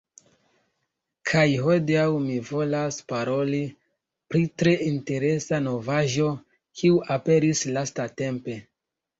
Kaj hodiaŭ, mi volas paroli pri tre interesa novaĵo kiu aperis lastatempe